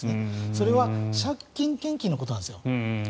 それは借金献金のことなんです。